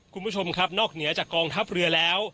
คุณผู้ชมครับนอกเหนือจากกองทัพเรือแล้ว